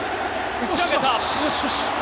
打ち上げた！